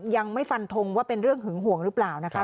ยังไม่ฟันทงว่าเป็นเรื่องหึงห่วงหรือเปล่านะคะ